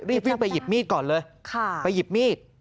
รีบวิ่งไปหยิบมีดก่อนเลยไปหยิบมีด